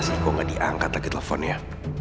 pasti kau gak diangkat lagi telponnya